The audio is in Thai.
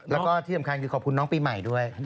แล้วก็ที่สำคัญคือขอบคุณน้องปีใหม่ด้วย